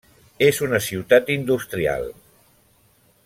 És una ciutat industrial.